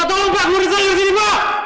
pak tolong pak gue disini